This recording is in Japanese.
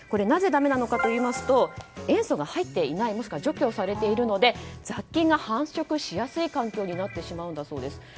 なぜだめなのかといいますと塩素が入っていないもしくは除去されているので雑菌が繁殖しやすい環境になってしまうんだそうです。